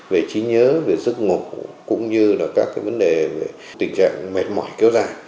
về trí nhớ về giấc ngủ cũng như các vấn đề về tình trạng mệt mỏi kéo dài